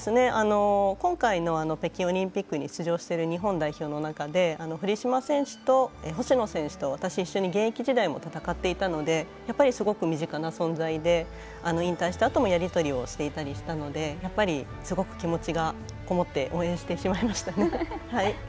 今回の北京オリンピックに出場している日本代表の中で堀島選手と星野選手と私一緒に、現役時代戦っていたのでやっぱりすごく身近な存在で、引退したあともやり取りをしていたりしたのですごく気持ちがこもって応援してしまいましたね。